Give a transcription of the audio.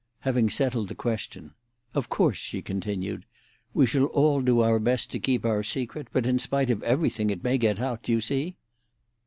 Having settled the question, "Of course," she continued, "we shall all do our best to keep our secret; but in spite of everything it may get out. Do you see?"